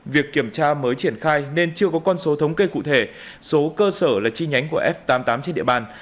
việc kiểm tra mới triển khai nên chưa có con số thống kê cụ thể số cơ sở là chi nhánh của f tám mươi tám trên địa bàn